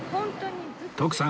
徳さん